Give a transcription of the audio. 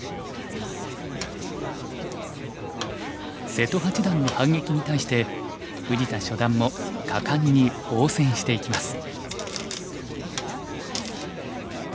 瀬戸八段の反撃に対して藤田初段も果敢に応戦していきます。